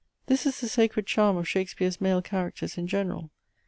This is the sacred charm of Shakespeare's male characters in general.